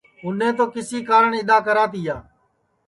اُنے تو کسی کارن اِدؔا کرا تیا